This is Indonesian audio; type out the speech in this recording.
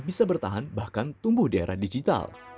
bisa bertahan bahkan tumbuh di era digital